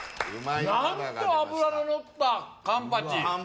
なんと脂ののったカンパチ。